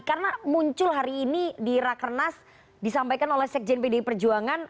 karena muncul hari ini di rakernas disampaikan oleh sekjen bdi perjuangan